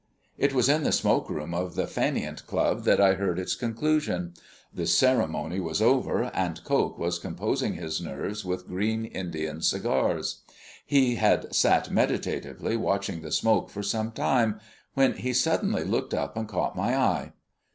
It was in the smoke room of the Fainéant Club that I heard its conclusion. The ceremony was over, and Coke was composing his nerves with green Indian cigars. He had sat meditatively watching the smoke for some time, when he suddenly looked up and caught my eye.